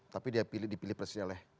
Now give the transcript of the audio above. tapi dia pilih dipilih presiden oleh